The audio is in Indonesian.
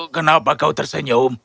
kenapa kau tersenyum